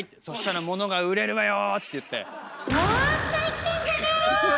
そしたらモノが売れるわよ」って言って。